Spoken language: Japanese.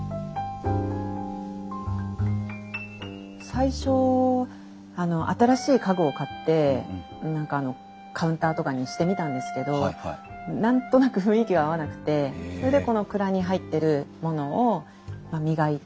最初新しい家具を買って何かあのカウンターとかにしてみたんですけど何となく雰囲気が合わなくてそれでこの蔵に入ってるものを磨いて。